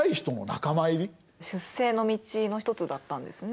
出世の道の一つだったんですね？